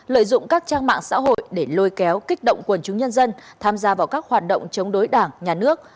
lợi dụng các trang mạng xã hội để lôi kéo kích động quần chúng nhân dân tham gia vào các hoạt động chống đối đảng nhà nước